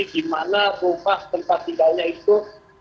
di mana rumah tempat tinggalnya itu